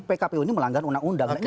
pek kpu ini melanggar undang undang